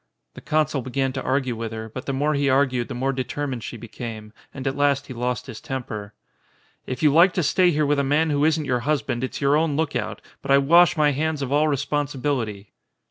The consul began to argue with her, but the more he argued the more determined she became, and at last he lost his temper. "If you like to stay here with a man who isn't your husband it's your own look out, but I wash my hands of all responsibility."